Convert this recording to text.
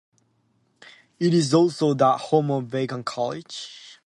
It is also the home of Beacon College.